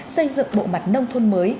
xây dựng bộ mặt nông thôn mới